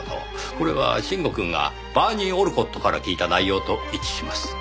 これは臣吾くんがバーニー・オルコットから聞いた内容と一致します。